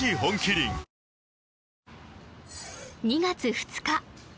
２月２日